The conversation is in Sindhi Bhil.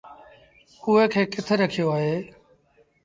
اُئي کي ڪِٿ رکيو اهي؟